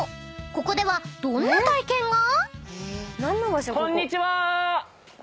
［ここではどんな体験が？］